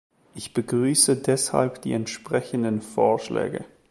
Ich begrüße deshalb die entsprechenden Vorschläge.